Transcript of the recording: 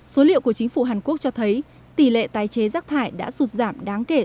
số liệu của chính phủ hàn quốc cho thấy tỷ lệ tái chế rác thải đã sụt giảm đáng kể